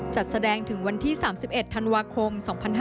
จัดแสดงถึงวันที่๓๑ธันวาคม๒๕๕๙